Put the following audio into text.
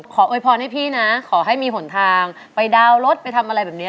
โวยพรให้พี่นะขอให้มีหนทางไปดาวน์รถไปทำอะไรแบบนี้